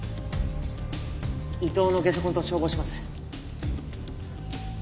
伊藤のゲソ痕と照合します。